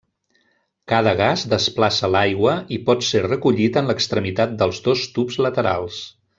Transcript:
Cada gas desplaça l'aigua i pot ser recollit en l'extremitat dels dos tubs laterals.